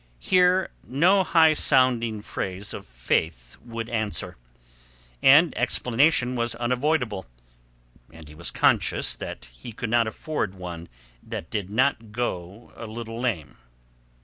Here no high sounding phrase of Faith would answer. And explanation was unavoidable, and he was conscious that he could not afford one that did not go a little lame.